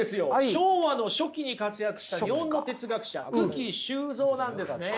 昭和の初期に活躍した日本の哲学者九鬼周造なんですね。